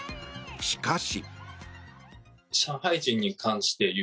しかし。